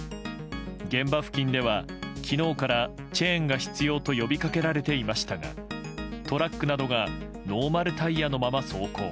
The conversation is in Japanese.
現場付近では昨日からチェーンが必要と呼びかけられていましたがトラックなどがノーマルタイヤのまま走行。